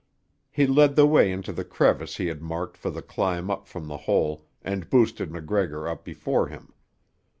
He led the way into the crevice he had marked for the climb up from the hole and boosted MacGregor up before him.